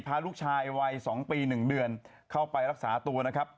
พาลูกชายวัย๒ปี๑เดือนเข้าไปรักษาตัวนะครับ